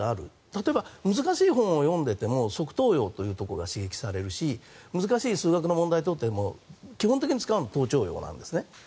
例えば、難しい本を読んでいても側頭葉というところが刺激されるし難しい数学の問題を解いても基本的に使うのは頭頂葉なんですね。